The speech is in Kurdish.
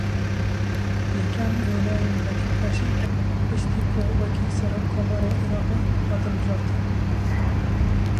Yekem wêneyên Letîf Reşîd piştî ku wekî Serokkomarê Iraqê hat hilbijartin.